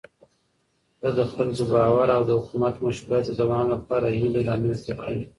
ده د خلکو باور او د حکومت مشروعيت د دوام لپاره هيلې رامنځته کړې.